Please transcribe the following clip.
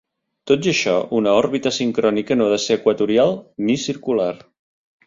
Tot i això, una òrbita sincrònica no ha de ser equatorial, ni circular.